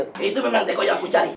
nah itu memang teko yang aku cari